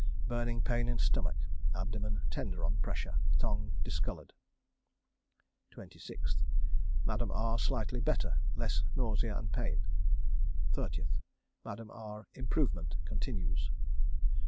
Burning pain in stomach abdomen tender on pressure. Tongue discoloured. 26th. Madame R slightly better less nausea and pain. 30th. Madame R. Improvement continues.